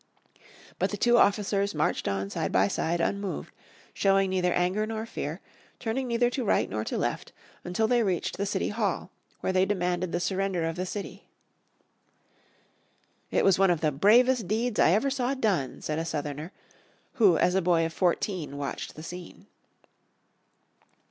But the two officers marched on side by side unmoved, showing neither anger nor fear, turning neither to right nor to left until they reached the city hall, where they demanded the surrender of the city. "It was one of the bravest deeds I ever saw done," said a Southerner, who as a boy of fourteen watched the scene.